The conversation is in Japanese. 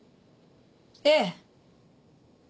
ええ。